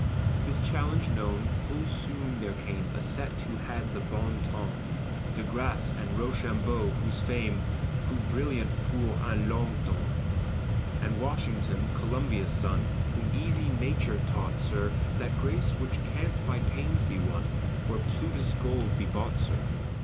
This challenge known, full soon there came A set who had the bon ton, De Grasse and Rochambeau, whose fame Fut brillant pour un long tems. And Washington, Columbia's son, Whom easy nature taught, sir, That grace which can't by pains be won, Or Plutus's gold be bought, sir.